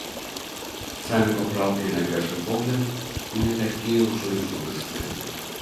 Самі папраўкі, на першы погляд, не такія ўжо і жудасныя.